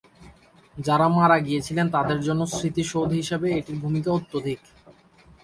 যারা মারা গিয়েছিলেন তাদের জন্য স্মৃতিসৌধ হিসাবে এটির ভূমিকা অত্যধিক।